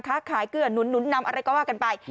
ค้าขายเกื้อหนุนนำอะไรก็ว่ากันไป